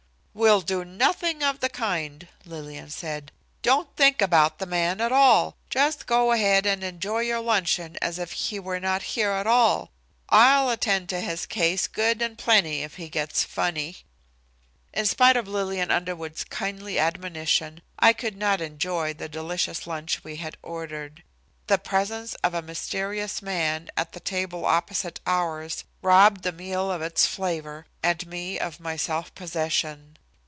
"We'll do nothing of the kind," Lillian said. "Don't think about the man at all, just go ahead and enjoy your luncheon as if he were not here at all. I'll attend to his case good and plenty if he gets funny." In spite of Lillian Underwood's kindly admonition I could not enjoy the delicious lunch we had ordered. The presence of a mysterious man at the table opposite ours robbed the meal of its flavor and me of my self possession.